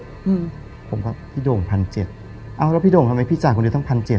อืมผมกับพี่โด่งพันเจ็ดเอ้าแล้วพี่โด่งทำไมพี่จ่ายคนเดียวตั้งพันเจ็ด